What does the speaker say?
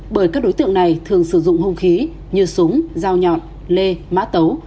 bởi các đối tượng này thường sử dụng hung khí như súng dao nhọn lê má tấu